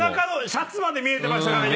シャツまで見えてましたからね